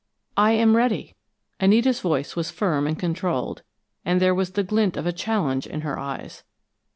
"I am ready." Anita's voice was firm and controlled, and there was the glint of a challenge in her eyes.